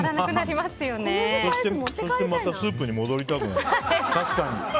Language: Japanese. またスープに戻りたくなる。